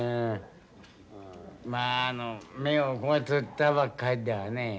まあ目をごっつったばかりではねえ。